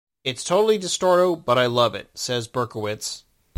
"It's totally distorto, but I love it," says Berkowitz.